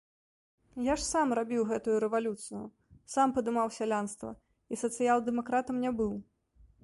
Я ж сам рабіў гэтую рэвалюцыю, сам падымаў сялянства і сацыял-дэмакратам не быў!